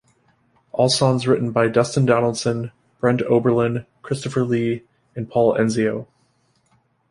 All songs written by Dustin Donaldson, Brent Oberlin, Christopher Lee, and Paul Enzio.